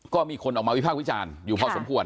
ก็มีคนออกมาวิภาควิจารณ์อยู่พอสมควร